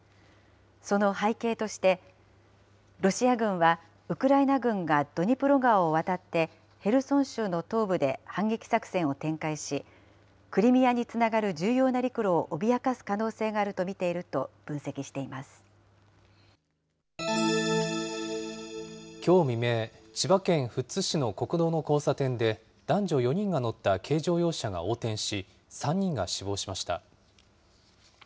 その背景として、ロシア軍はウクライナ軍が、ドニプロ川を渡って、ヘルソン州の東部で反撃作戦を展開し、クリミアにつながる重要な陸路を脅かす可能性があると見てきょう未明、千葉県富津市の国道の交差点で男女４人が乗った軽乗用車が横転し、３人が死亡しました。